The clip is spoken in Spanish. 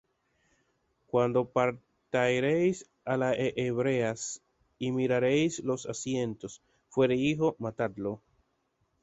Cuando parteareis á las Hebreas, y mirareis los asientos, si fuere hijo, matadlo.